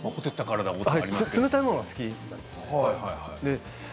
冷たいものが好きなんですね。